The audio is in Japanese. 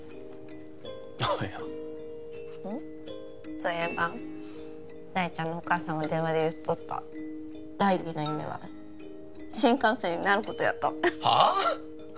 そういえば大ちゃんのお母さんが電話で言っとった大輝の夢は新幹線になることやったってはっ？